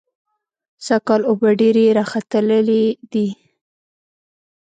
سږکال اوبه ډېرې راخلتلې دي.